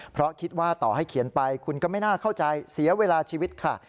เพราะคิดว่าต่อให้เขียนไปคุณก็ไม่น่าเข้าใจเสียเวลาชีวิตค่ะ